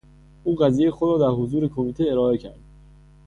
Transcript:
او قضیهی خود را در حضور کمیته ارائه کرد.